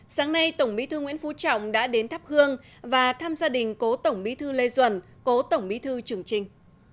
sáng nay tổng bí thư nguyễn phú trọng đã đến thắp hương và thăm gia đình cố tổng bí thư lê duẩn cố tổng bí thư trường trinh